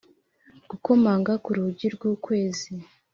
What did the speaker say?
gukomanga ku rugi rw'ukwezi;